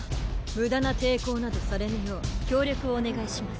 無駄な抵抗などされぬよう協力をお願いします。